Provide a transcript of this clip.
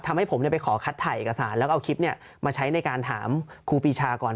ทำให้ผมไปขอคัดถ่ายเอกสารแล้วก็เอาคลิปมาใช้ในการถามครูปีชาก่อน